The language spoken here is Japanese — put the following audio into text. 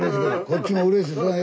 こっちもうれしい。